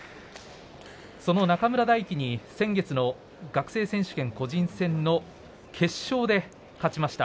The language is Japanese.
その中村泰輝、先月の学生選手権個人戦の決勝で勝ちました